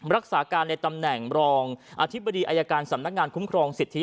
รักษาการในตำแหน่งรองอธิบดีอายการสำนักงานคุ้มครองสิทธิ